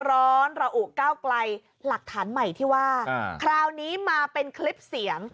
ร้อนระอุก้าวไกลหลักฐานใหม่ที่ว่าคราวนี้มาเป็นคลิปเสียง